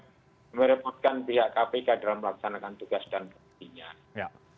nah ini kan merepotkan pihak kpk dalam melaksanakan tugas dan kepentingan